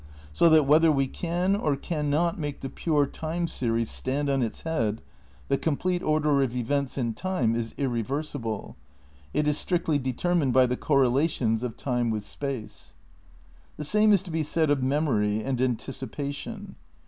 So that, whether we can or can not make the pure time series stand on its head, the complete order of events in time is ir reversible. It is strictly determined by the correla tions of time with space. The same is to be said of memory and anticipation.